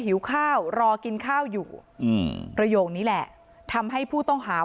หิวข้าวรอกินข้าวอยู่อืมประโยคนี้แหละทำให้ผู้ต้องหา